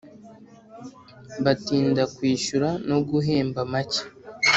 batinda kwishyura no guhemba make